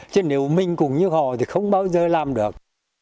chứ nếu mình cũng như họ thì không bao giờ làm được